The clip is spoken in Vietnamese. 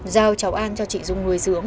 giao cháu an cho chị dung nuôi dưỡng